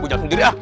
bujang sendiri ah